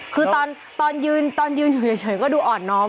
คือตอนยืนอยู่เฉยก็ดูอ่อนน้อม